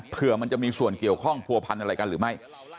เพื่อมันจะมีส่วนเกี่ยวข้องผัวพันธ์อะไรกันหรือไม่